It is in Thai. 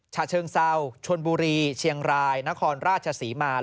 ฉะเชิงเซาชนบุรีเชียงรายนครราชศรีมา